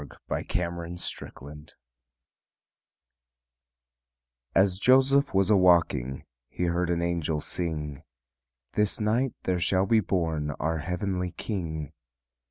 _ AS JOSEPH WAS A WALKING As Joseph was a walking He heard an angel sing: "This night there shall be born Our heavenly King.